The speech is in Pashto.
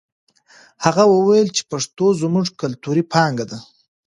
هغه وویل چې پښتو زموږ کلتوري پانګه ده.